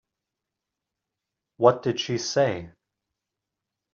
What did she say?